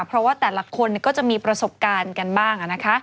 เพราะว่าแต่ละคนก็จะมีประสบการณ์กันบ้าง